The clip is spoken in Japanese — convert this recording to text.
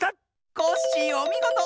コッシーおみごと！